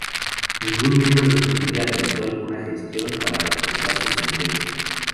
Ningún miembro de su familia realizó alguna gestión para acortar su sentencia.